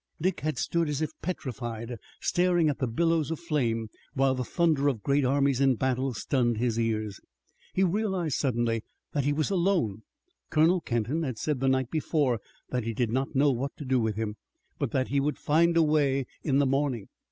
Dick had stood as if petrified, staring at the billows of flame, while the thunder of great armies in battle stunned his ears. He realized suddenly that he was alone. Colonel Kenton had said the night before that he did not know what to do with him, but that he would find a way in the morning.